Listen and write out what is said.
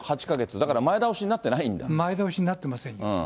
８か月、だから、前倒しにな前倒しになってませんよ。